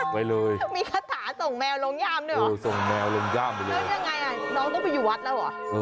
มีคาถาส่งแมวลงย่ามด้วยเหรอน้องต้องไปอยู่วัดแล้วเหรอ